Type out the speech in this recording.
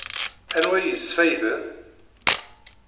Anwa i yesfayden?